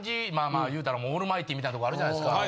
まあ言うたらもうオールマイティーみたいなとこあるじゃないですか。